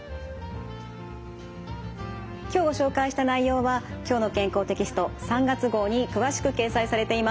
今日ご紹介した内容は「きょうの健康」テキスト３月号に詳しく掲載されています。